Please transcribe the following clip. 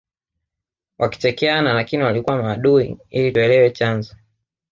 wakichekeana lakini walikuwa maadui ili tuelewe chanzo